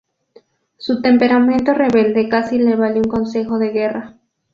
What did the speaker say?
Su temperamento rebelde casi le vale un consejo de guerra.